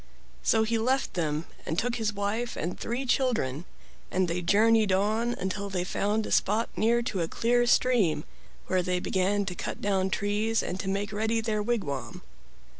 So he left them and took his wife and three children, and they journeyed on until they found a spot near to a clear stream, where they began to cut down trees and to make ready their wigwam.